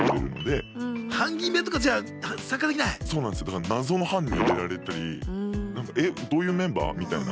だから謎の班に入れられたり「えっどういうメンバー？」みたいな。